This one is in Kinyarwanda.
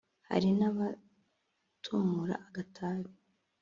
Hari n’abatumura agatabi